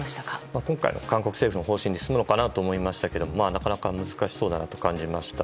今回、韓国政府の方針で進むのかなと思いましたけどなかなか難しそうだなと感じました。